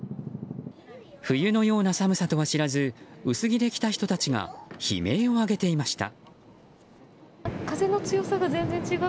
冬のような寒さとは知らず薄着で来た人たちが悲鳴を上げていました。